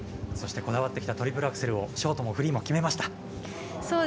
そして、こだわってきたトリプルアクセルをショートもフリーも決めました。